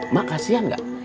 mak kasihan enggak